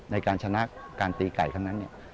ในการชนะการตีไก่ครั้งนั้นเนี่ย